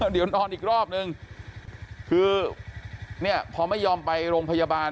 เดี๋ยวนอนอีกรอบนึงคือเนี่ยพอไม่ยอมไปโรงพยาบาล